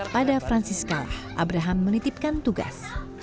pada franciscalah abraham menitipkan tugas